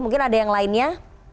mungkin ada yang lainnya